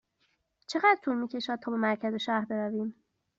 چقدر طول می کشد تا به مرکز شهر برویم؟